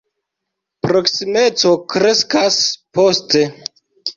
Proksimeco kreskas poste.